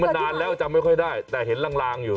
นานแล้วจำไม่ค่อยได้แต่เห็นลางอยู่